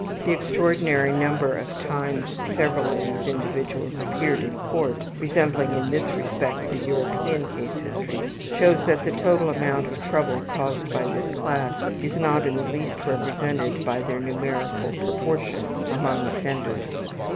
The extraordinary number of times several of these individuals appeared in court (resembling in this respect the European case histories) shows that the total amount of trouble caused by this class is not in the least represented by their numerical proportion among offenders.